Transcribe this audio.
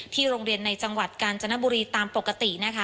โรงเรียนในจังหวัดกาญจนบุรีตามปกตินะคะ